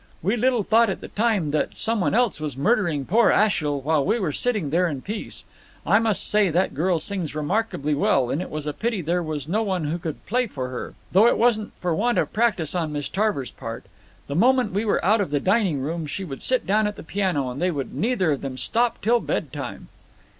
We little thought at the time that some one else was murdering poor Ashiel while we were sitting there in peace. I must say that girl sings remarkably well, and it was a pity there was no one who could play for her. Though it wasn't for want of practice on Miss Tarver's part. The moment we were out of the dining room she would sit down at the piano, and they would neither of them stop till bedtime."